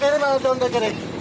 jangan terlalu arogan